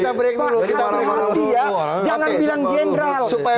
pak ruhuti jangan bilang general